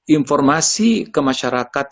informasi ke masyarakat